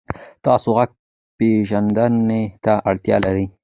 تاسو غږ پېژندنې ته اړتیا لرئ.